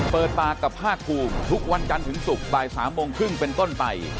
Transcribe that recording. เปิดปากกับห้าควงทุกวันการถึงศุกร์บ่ายสามโมงครึ่งเป็นต้นไป